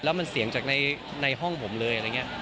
แล้วมันเสียงจากในห้องผมเลยอะไรอย่างนี้